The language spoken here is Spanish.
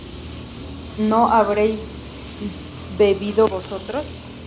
¿no habréis bebido vosotros?